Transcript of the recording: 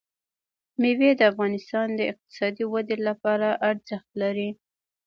مېوې د افغانستان د اقتصادي ودې لپاره ارزښت لري.